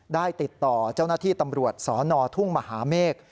ได้ติดต่อเจ้าหน้าที่ตำรวจสนทุ่งมหาเมฆ